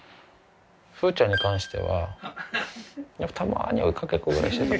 風ちゃんに関してはたまに追い掛けっこぐらいしてたか。